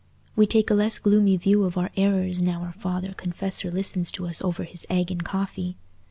We take a less gloomy view of our errors now our father confessor listens to us over his egg and coffee.